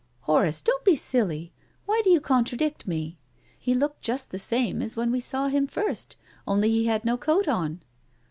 " Horace, don't be silly ! Why do you contra dict me? He looked just the same as when we saw him first, only he had no coat on."